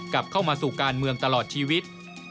กลับเข้ามาสู่การเมืองตลอดชีวิต